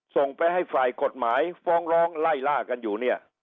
ส่งไปให้ฝ่ายกฎหมายฟ้องร้องไล่ล่ากันอยู่เนี่ย